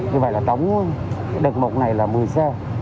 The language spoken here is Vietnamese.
như vậy là tổng đợt một này là một mươi xe